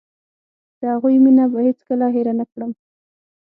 د هغوی مينه به هېڅ کله هېره نکړم.